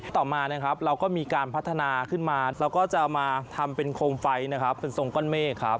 ต่อมาเราก็มีการพัฒนาขึ้นมาเราก็จะมาทำเป็นโครมไฟเป็นทรงก้อนเมฆ